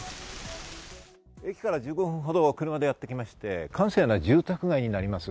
駅から１５分ほど車でやってきまして、閑静な住宅街になります。